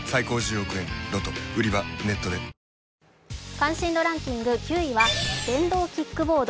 関心度ランキング、９位は電動キックボード。